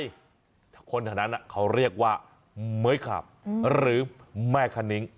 คนทางนั้นน่ะเค้าเรียกว่าเมี๊ยคัพหรือแม่คานิก